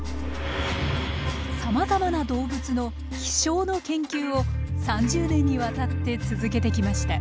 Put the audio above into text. さまざまな動物の飛しょうの研究を３０年にわたって続けてきました。